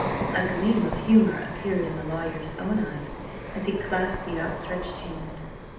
A gleam of humour appeared in the lawyer's own eyes as he clasped the outstretched hand.